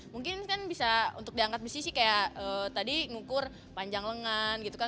mungkin kan bisa untuk diangkat bisnis sih kayak tadi ngukur panjang lengan gitu kan